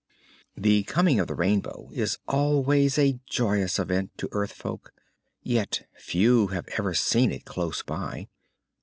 The coming of the Rainbow is always a joyous event to earth folk, yet few have ever seen it close by.